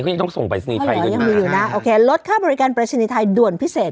ยังต้องส่งปรายศนีย์ไทยก็ยังมีอยู่นะโอเคลดค่าบริการปรายศนีย์ไทยด่วนพิเศษ